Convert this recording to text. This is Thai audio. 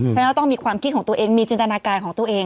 ฉะนั้นต้องมีความคิดของตัวเองมีจินตนาการของตัวเอง